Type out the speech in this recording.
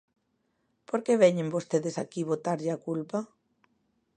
¿Por que veñen vostedes aquí botarlle a culpa?